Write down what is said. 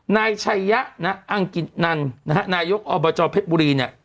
นายชัยยะนะอังกิตนันนะฮะนายกอบจเพชรบุรีเนี่ย